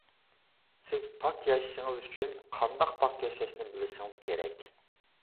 سىز پاك ياشىشىڭىز ئۈچۈن قانداق پاك ياشاشنى بىلىشىڭىز كېرەك.